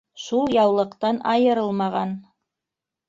Шул яулыҡтан айырылмаған.